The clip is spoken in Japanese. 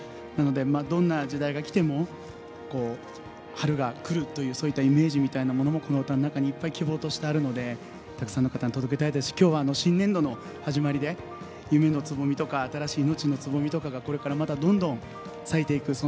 なのでどんな時代がきても春がくるといったイメージみたいなものもこの歌の中にいっぱい希望としてあるのでたくさんの方に届けたいですし新年度ですから夢のつぼみとか新しい命のつぼみとかがこれからどんどん咲いていく。